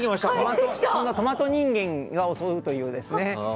今度はトマト人間が襲うというね。